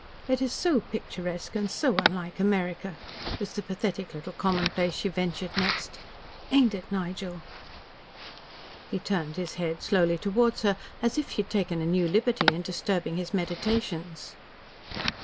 "It is so picturesque, and so unlike America," was the pathetic little commonplace she ventured next. "Ain't it, Nigel?" He turned his head slowly towards her, as if she had taken a new liberty in disturbing his meditations.